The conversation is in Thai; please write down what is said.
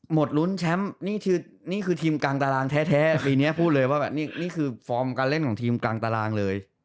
ลุ้นแชมป์นี่คือทีมกลางตารางแท้ปีนี้พูดเลยว่านี่คือฟอร์มการเล่นของทีมกลางตารางเลย